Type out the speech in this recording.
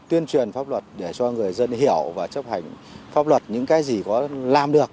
tuyên truyền pháp luật để cho người dân hiểu và chấp hành pháp luật những cái gì có làm được